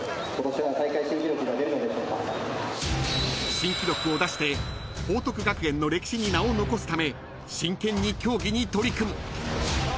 ［新記録を出して報徳学園の歴史に名を残すため真剣に競技に取り組む］